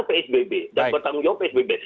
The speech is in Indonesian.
psbb dan pertanggung jawab psbb